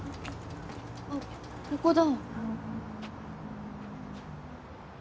あっここだ。